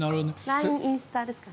ＬＩＮＥ、インスタですかね。